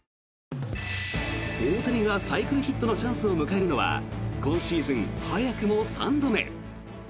大谷がサイクルヒットのチャンスを迎えるのは今シーズン早くも３度目。